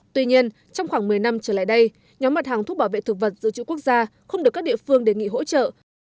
tuy nhiên trong khoảng một mươi năm trở lại đây nhóm mặt hàng thuốc bảo vệ thực vật dự trữ quốc gia không được các địa phương đề nghị hỗ trợ